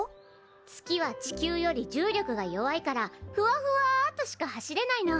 月は地球より重力が弱いからふわふわっとしか走れないの。